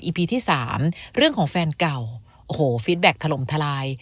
พีที่๓เรื่องของแฟนเก่าโอ้โหฟีดแบ็คถล่มทลาย